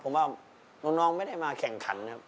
ผมว่าน้องไม่ได้มาแข่งขันนะครับ